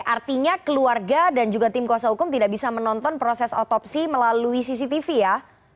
artinya keluarga dan juga tim kuasa hukum tidak bisa menonton proses otopsi melalui cctv ya